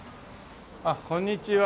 あっこんにちは。